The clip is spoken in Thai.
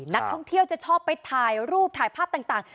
นักท่องเที่ยวจะชอบไปถ่ายรูปถ่ายภาพต่าง